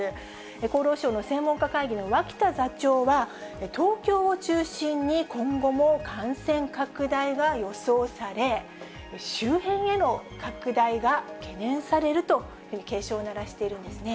厚労省の専門家会議の脇田座長は、東京を中心に、今後も感染拡大が予想され、周辺への拡大が懸念されると、警鐘を鳴らしているんですね。